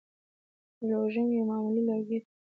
لوژینګ یو معمولي لرګی دی.